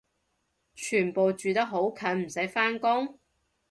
全部住得好近唔使返工？